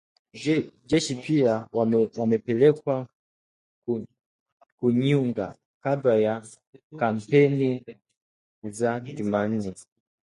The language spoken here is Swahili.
Jeshi pia wamepelekwa Kayunga kabla ya kampeni za Jumanne